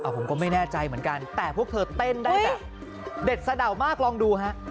ผมก็ไม่แน่ใจเหมือนกันแต่พวกเธอเต้นได้แบบเด็ดสะดาวมากลองดูฮะ